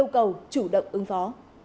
cầu chủ động ứng phó